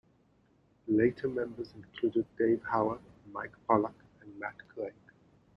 Later members included Dave Hower, Mike Pollock, and Matt Craig.